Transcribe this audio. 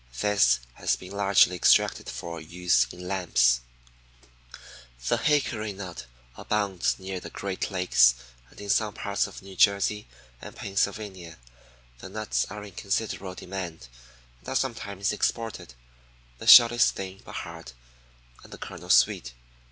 This has been largely extracted for use in lamps. 4. The hickory nut (Carya alba) abounds near the great lakes and in some parts of New Jersey and Pennsylvania. The nuts are in considerable demand and are sometimes exported. The shell is thin, but hard, and the kernel sweet.